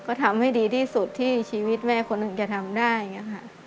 ก็ทำให้ดีที่สุดที่ชีวิตแม่คนหนึ่งจะทำได้อย่างนี้ค่ะ